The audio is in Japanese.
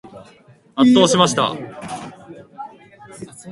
圧倒しました。